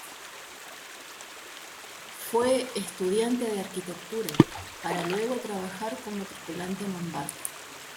Fue estudiante de arquitectura, para luego trabajar como tripulante en un barco.